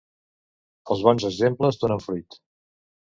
Els bons exemples donen fruit.